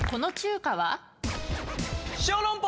この中華は？